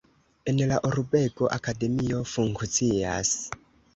En la urbego akademio funkcias.